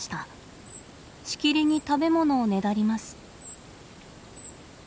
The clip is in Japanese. しきりに食べ物をねだります。